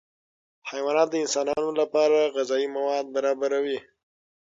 حیوانات د انسانانو لپاره غذایي مواد برابر کوي